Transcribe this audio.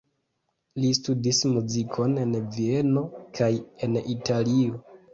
Li studis muzikon en Vieno kaj en Italio.